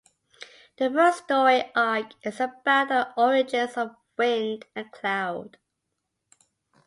The first story arc is about the origins of Wind and Cloud.